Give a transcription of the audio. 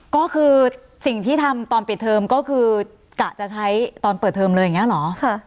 ก็คือสิ่งที่ทำตอนปิดเทอมก็คือกะจะใช้ตอนเปิดเทอมเลยอย่างนี้เหรอ